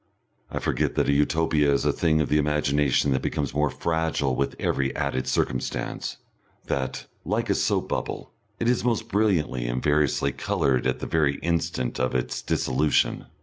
I forget that a Utopia is a thing of the imagination that becomes more fragile with every added circumstance, that, like a soap bubble, it is most brilliantly and variously coloured at the very instant of its dissolution.